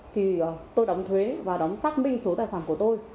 thì tôi đóng thuế và đóng tắc minh số tài khoản của tôi